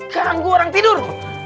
kanggu orang tidur